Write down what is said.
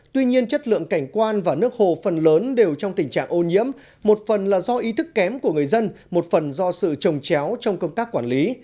tuy nhiên chất lượng cảnh quan và nước hồ phần lớn đều trong tình trạng ô nhiễm một phần là do ý thức kém của người dân một phần do sự trồng chéo trong công tác quản lý